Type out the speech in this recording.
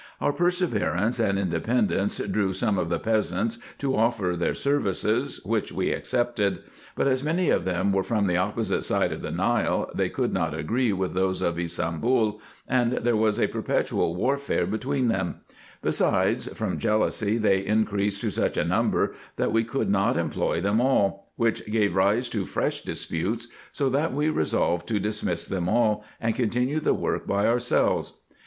Our perseverance and independence drew some of the peasants, to offer their services, which we accepted; but as many of them were from the opposite side of the Nile, they could not agree with those of Ybsambul, and there was a perpetual warfare between them ; besides, from jealousy, they increased to such a number, that we could not employ them all, which gave rise to fresh disputes, so that we resolved to dismiss them all, and con tinue the work by ourselves.